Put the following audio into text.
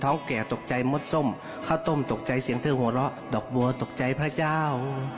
ตกใจเสียงเที่ยวหัวเราะดอกบัวตกใจพระเจ้า